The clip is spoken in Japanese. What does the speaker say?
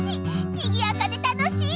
にぎやかで楽しい！